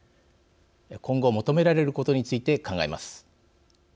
今後、求められることについて考えます。